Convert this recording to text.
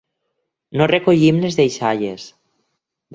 No recollim les deixalles.